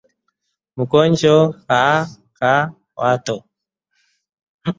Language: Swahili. Ugonjwa wa kuoza kwato